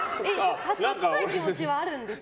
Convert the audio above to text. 立ちたい気持ちはあるんですか？